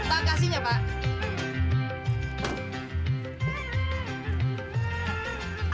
pak kasihnya pak